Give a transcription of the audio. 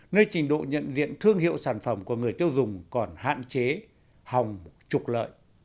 nơi trình độ nhận diện thương hiệu sản phẩm của người tiêu dùng còn hạn chế hòng trục lợi